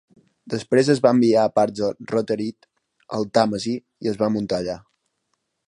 Després es va enviar en parts a Rotherhithe al Tàmesi i es va muntar allà.